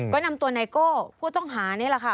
ก็นำตัวไนโก้ผู้ต้องหานี่แหละค่ะ